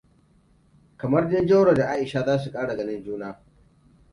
Kamar dai Jauroa da Aisha za su ƙara ganin juna.